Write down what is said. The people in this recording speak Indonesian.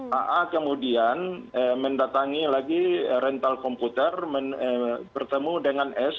ha kemudian mendatangi lagi rental komputer bertemu dengan s